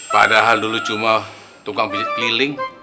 padahal dulu cuma tukang keliling